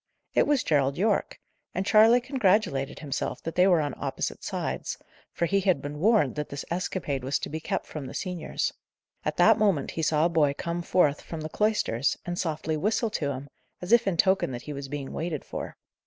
It was Gerald Yorke: and Charley congratulated himself that they were on opposite sides; for he had been warned that this escapade was to be kept from the seniors. At that moment he saw a boy come forth from the cloisters, and softly whistle to him, as if in token that he was being waited for.